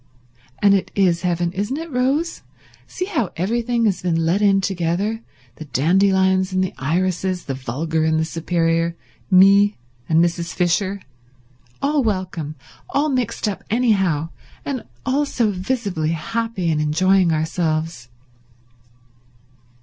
And it is heaven, isn't it, Rose? See how everything has been let in together—the dandelions and the irises, the vulgar and the superior, me and Mrs. Fisher—all welcome, all mixed up anyhow, and all so visibly happy and enjoying ourselves."